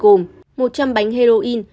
gồm một trăm linh bánh heroin